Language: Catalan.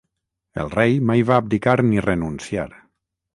El rei mai va abdicar ni renunciar.